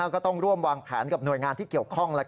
ก็ต้องร่วมวางแผนกับหน่วยงานที่เกี่ยวข้อง